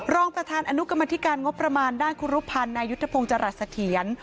รองประธานอนุกรรมธิการงบประมาณด้านครูรุพันธ์นายุทธพงศ์จรัสเถียร